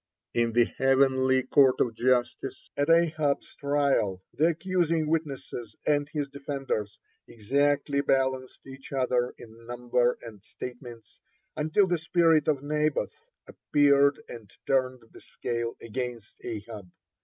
(40) In the heavenly court of justice, (41) at Ahab's trial, the accusing witnesses and his defenders exactly balanced each other in number and statements, until the spirit of Naboth appeared and turned the scale against Ahab.